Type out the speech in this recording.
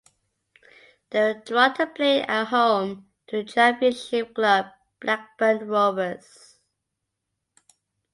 They were drawn to play at home to Championship club Blackburn Rovers.